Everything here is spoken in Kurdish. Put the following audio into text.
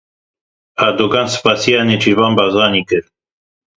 Erdogan spasiya Nêçîrvan Barzanî kir.